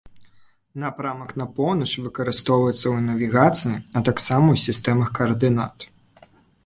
Напрамак на поўнач выкарыстоўваецца ў навігацыі, а таксама ў сістэмах каардынат.